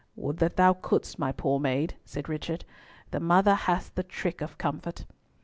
"Would that thou couldst, my poor maid," said Richard. "The mother hath the trick of comfort."